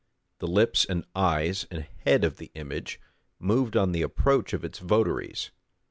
The lips, and eyes, and head of the image moved on the approach of its votaries.